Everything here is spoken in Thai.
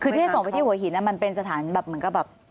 คือที่ส่งไปที่หัวหินมันเป็นสถานแบบเหมือนกับแบบ